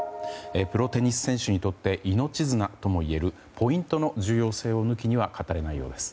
プロテニス選手にとって命綱ともいえるポイントの重要性を抜きには語れないようです。